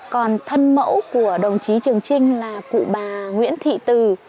còn thân mẫu của đồng chí trường trinh là cụ bà nguyễn thị từ